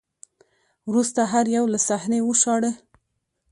وروسته هر یو له صحنې وشاړه